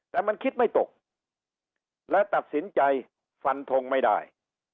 แต่มันคิดไม่ตกและตัดสินใจฟันทงไม่ได้